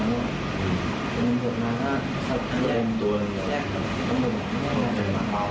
จนถึงจบมา๕สักที